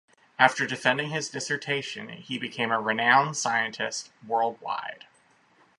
After defending his dissertation he became a renowned scientist worldwide.